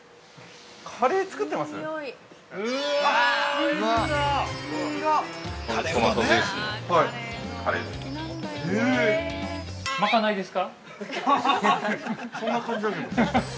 カレー作ってます？